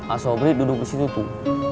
asobri duduk di situ tuh